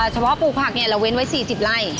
ปลูกผักเราเว้นไว้๔๐ไร่